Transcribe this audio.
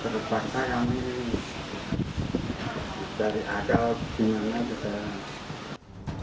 terpaksa yang ini dari akal gimana kita